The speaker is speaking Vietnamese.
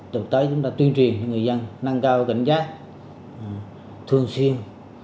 từ tối chúng ta tuyên truyền cho người dân nâng cao cảnh giác thường xuyên